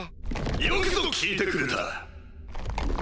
よくぞ聞いてくれた！